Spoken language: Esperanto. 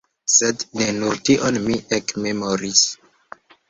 Sed ne nur tion mi ekmemoris.